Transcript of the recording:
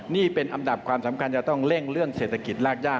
นี่เป็นอันดับความสำคัญจะต้องเร่งเรื่องเศรษฐกิจรากย่า